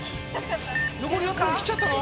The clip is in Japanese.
残り４分切っちゃったの？